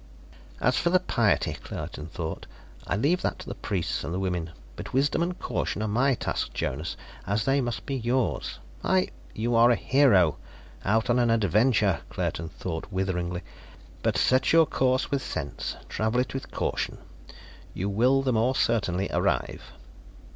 "As for the piety," Claerten thought, "I leave that to the priests and the women. But wisdom and caution are my task, Jonas, as they must be yours." "I " "You are a hero, out on an adventure," Claerten thought witheringly. "But set your course with sense, travel it with caution; you will the more certainly arrive."